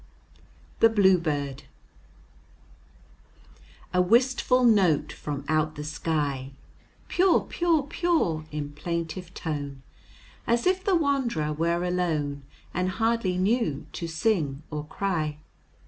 THE BLUEBIRD A wistful note from out the sky, "Pure, pure, pure," in plaintive tone, As if the wand'rer were alone, And hardly knew to sing or cry.